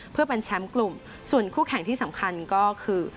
เพื่อเป็นแชมป์กลุ่มส่วนคู่แข่งที่สำคัญก็คือ